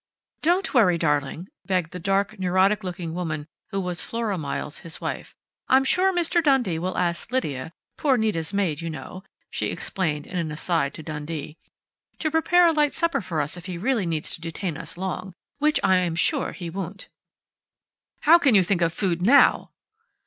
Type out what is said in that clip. "Don't worry, darling," begged the dark, neurotic looking woman who was Flora Miles, his wife. "I'm sure Mr. Dundee will ask Lydia poor Nita's maid, you know " she explained in an aside to Dundee, " to prepare a light supper for us if he really needs to detain us long which I am sure he won't." "How can you think of food now?"